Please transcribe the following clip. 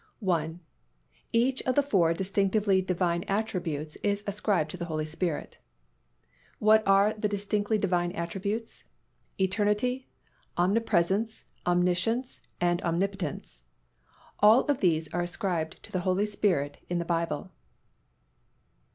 I. Each of the four distinctively Divine attributes is ascribed to the Holy Spirit. What are the distinctively Divine attributes? Eternity, omnipresence, omniscience and omnipotence. All of these are ascribed to the Holy Spirit in the Bible.